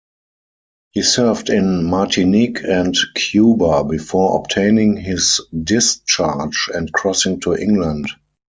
He served in Martinique and Cuba, before obtaining his discharge and crossing to England.